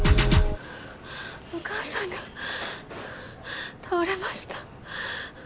お母さんが倒れました。